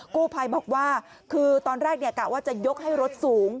กู้ภัยบอกว่าคือตอนแรกกะว่าจะยกให้รถสูง